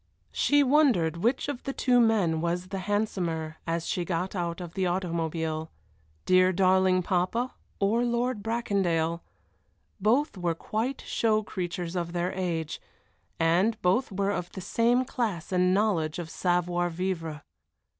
She wondered which of the two men was the handsomer as she got out of the automobile dear, darling papa or Lord Bracondale; both were quite show creatures of their age, and both were of the same class and knowledge of savoir vivre.